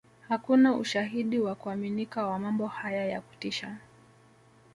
Hakuna ushahidi wa kuaminika wa mambo haya ya kutisha